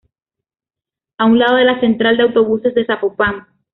A un lado de la Central de Autobuses de Zapopan.